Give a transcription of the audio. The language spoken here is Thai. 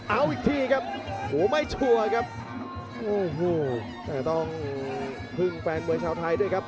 เอาอีกทีครับโหไม่ชัวร์ครับโอ้โหแต่ต้องพึ่งแฟนมวยชาวไทยด้วยครับ